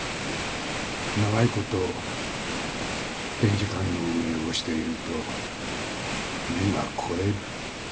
長いこと展示館の運営をしていると目が肥える。